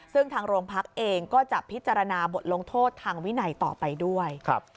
ซึ่งทางโรงพักเองก็จะพิจารณาบทลงโทษทางวินัยต่อไปด้วย